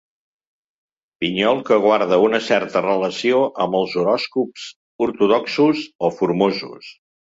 Pinyol que guarda una certa relació amb els horòscops ortodoxos o formosos.